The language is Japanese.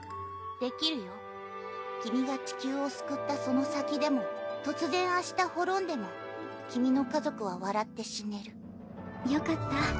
できるよ君が地球を救ったその先でも突然明日滅んでも君の家族は笑って死ねるよかった。